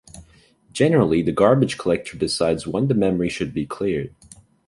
Generally, the Garbage Collector decides when the memory should be cleared.